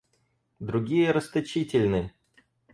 Другие расточительны.